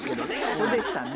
そうでしたね。